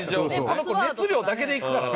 この子熱量だけでいくからな。